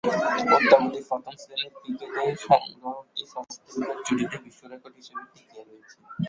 অদ্যাবধি প্রথম-শ্রেণীর ক্রিকেটে এ সংগ্রহটি ষষ্ঠ উইকেট জুটিতে বিশ্বরেকর্ড হিসেবে টিকে রয়েছে।